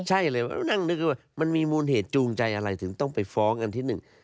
ใช่เลยนั่งนึกว่ามันมีมูลเหตุจูงใจอะไรถึงต้องไปฟ้องอันที่หนึ่ง